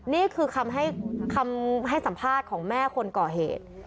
นี่คือคำให้สัมภาษณ์ของแม่คนก่อเหตุ